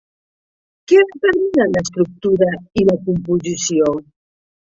Què determina l'estructura i la composició?